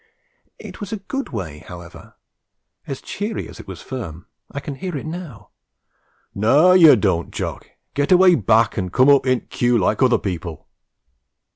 It was a good way, however, as cheery as it was firm. I can hear it now: 'Naw, yer dawn't, Jock! Get away back an' coom oop in't queue like oother people!'